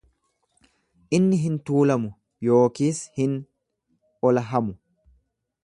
Inni hin tuulamu yookiis hin olahamu.